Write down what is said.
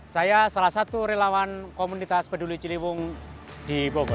saya salah satu relawan komunitas peduli ciliwung di bogor